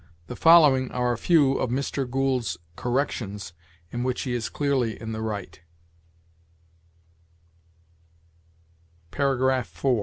The following are a few of Mr. Gould's corrections in which he is clearly in the right: Paragraph 4.